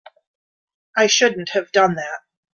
I shouldn't have done that.